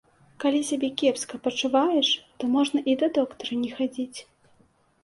Калі сябе кепска пачуваеш, то можна і да доктара не хадзіць.